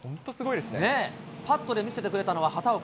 パットで見せてくれたのは畑岡。